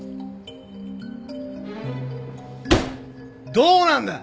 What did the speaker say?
どうなんだ！？